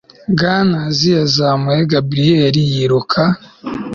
Gunners yazamuye Gabriel yiruka